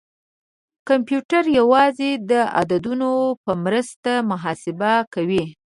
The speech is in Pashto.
کمپیوټر یوازې د عددونو په مرسته محاسبه کوي.